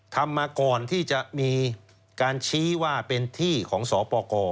ทำมาก่อนที่จะมีการชี้ว่าเป็นที่ของสปกร